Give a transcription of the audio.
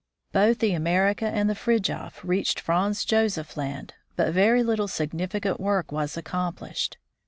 Both the America and the Fridtjof reached Franz Josef land, but very little significant work was accomplished.